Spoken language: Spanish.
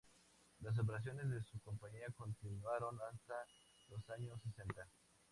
Las operaciones de su compañía continuaron hasta los años sesenta.